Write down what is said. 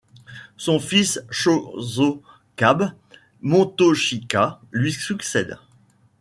Son fils Chōsokabe Motochika lui succède.